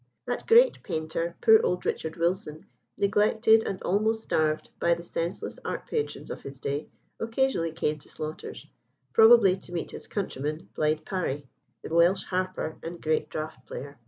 That great painter, poor old Richard Wilson, neglected and almost starved by the senseless art patrons of his day, occasionally came to Slaughter's, probably to meet his countryman, blind Parry, the Welsh harper and great draught player.